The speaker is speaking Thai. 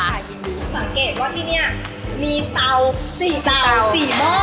สังเกตว่าที่นี่มีเตา๔เตา๔หม้อ